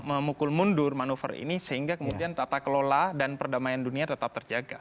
memukul mundur manuver ini sehingga kemudian tata kelola dan perdamaian dunia tetap terjaga